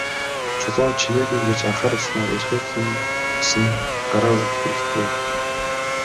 Чулуун «Чимээгүй» гэж анхааруулснаа "Ярихыг хэн хүснэ, гараа өргөх хэрэгтэй" гэв.